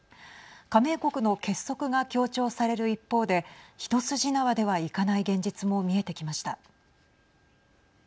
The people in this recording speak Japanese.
加盟国の結束が強調される一方で一筋縄ではいかない現実も見えてきました。